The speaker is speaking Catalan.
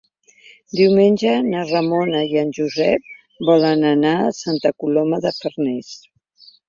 Diumenge na Ramona i en Josep volen anar a Santa Coloma de Farners.